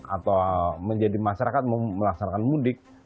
atau menjadi masyarakat mau melaksanakan mudik